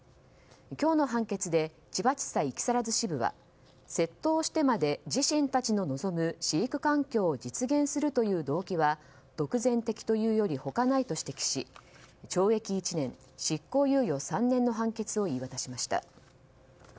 今日の判決で千葉地裁木更津支部は窃盗をしてまで自身たちの望む飼育環境を実現するという動機は独善的というより他ないと指摘し懲役１年執行猶予３年の判決を言い渡しました。